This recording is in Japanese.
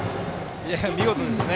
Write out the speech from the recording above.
見事ですね。